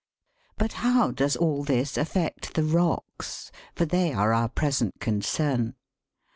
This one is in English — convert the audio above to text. But how does all this affect the rocks ? for they are our present concern.